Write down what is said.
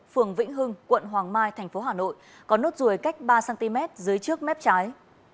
phường vĩnh hưng quận hoàng mai tp hà nội có nốt ruồi cách ba cm dưới trước mép trái